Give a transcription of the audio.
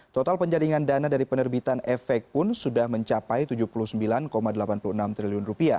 total penjaringan dana dari penerbitan efek pun sudah mencapai rp tujuh puluh sembilan delapan puluh enam triliun